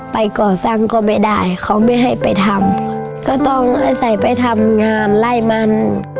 ไปก่อสร้างก็ไม่ได้เขาไม่ให้ไปทำก็ต้องอาศัยไปทำงานไล่มัน